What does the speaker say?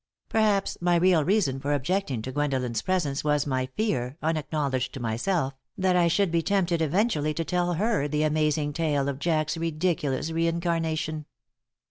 Perhaps my real reason for objecting to Gwendolen's presence was my fear, unacknowledged to myself, that I should be tempted eventually to tell her the amazing tale of Jack's ridiculous reincarnation.